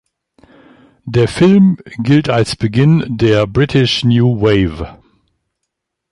Der Film gilt als Beginn der "British New Wave".